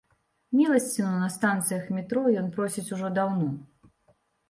Міласціну на станцыях метро ён просіць ужо даўно.